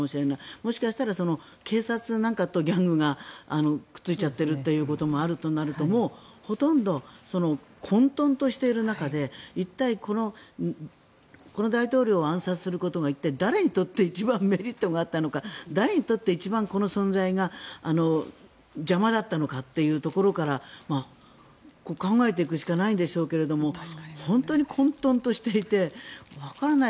もしかしたら警察なんかとギャングがくっついちゃってることもあるとなると、もうほとんど混沌としている中で一体、この大統領を暗殺することが誰にとって一番メリットがあったのか誰にとって一番この存在が邪魔だったのかというところから考えていくしかないんでしょうけど本当に混沌としていて分からない。